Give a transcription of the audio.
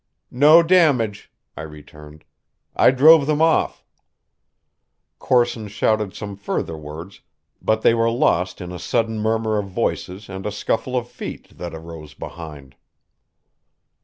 "No damage," I returned. "I drove them off." Corson shouted some further words, but they were lost in a sudden murmur of voices and a scuffle of feet that arose behind.